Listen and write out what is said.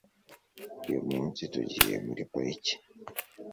uyu munsi tugiye muri pariki